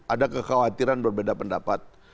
ada kekhawatiran berbeda pendapat